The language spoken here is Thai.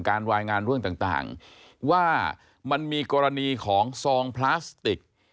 รายงานเรื่องต่างว่ามันมีกรณีของซองพลาสติก